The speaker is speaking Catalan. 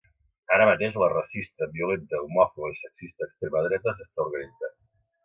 Ara mateix la racista, violenta, homòfoba i sexista extrema dreta s’està organitzant.